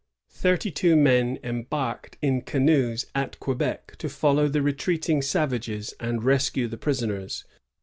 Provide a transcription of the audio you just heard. Thirty two men embarked in canoes at Quebec to follow the retreating savages and rescue the prisoners.